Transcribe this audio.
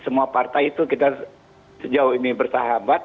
semua partai itu kita sejauh ini bersahabat